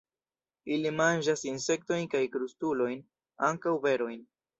Ili manĝas insektojn kaj krustulojn; ankaŭ berojn.